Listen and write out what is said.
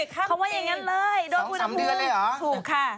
เขาว่าอย่างนั้นเลยโดดอุณหภูมิถูกค่ะ